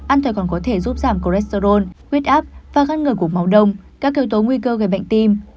ăn tỏi còn có thể giúp giảm cholesterol huyết áp và gắn ngờ của máu đông các kiểu tố nguy cơ gây bệnh tim